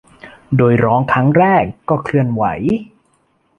โดยร้องครั้งแรกก็เคลื่อนไหว